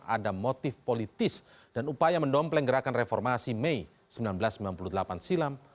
ada motif politis dan upaya mendompleng gerakan reformasi mei seribu sembilan ratus sembilan puluh delapan silam